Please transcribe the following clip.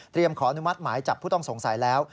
ขออนุมัติหมายจับผู้ต้องสงสัยแล้ว